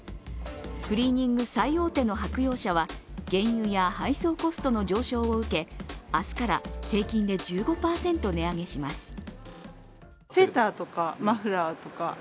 クリーニング最大手の白洋舍は原油や配送コストの上昇を受け明日から平均で１５％値上げします。